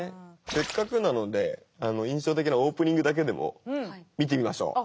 せっかくなので印象的なオープニングだけでも見てみましょう。